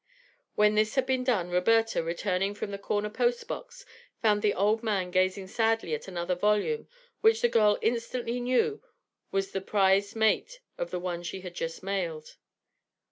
When this had been done, Roberta, returning from the corner post box, found the old man gazing sadly at another volume which the girl instantly knew was the prized mate of the one she had just mailed.